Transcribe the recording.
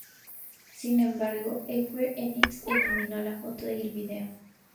Sin embargo, Square Enix eliminó la foto y el video.